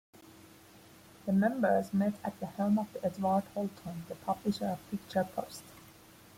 The members met at the home of Edward Hulton, the publisher of "Picture Post".